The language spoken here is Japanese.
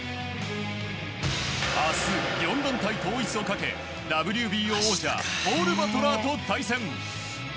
明日、４団体統一をかけＷＢＯ王者ポール・バトラーと対戦。